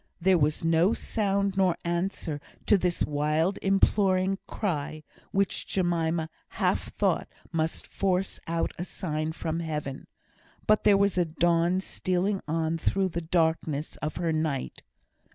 There was no sound nor sight in answer to this wild imploring cry, which Jemima half thought must force out a sign from Heaven. But there was a dawn stealing on through the darkness of her night.